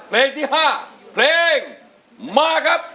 เพลงที่๕เพลงมาครับ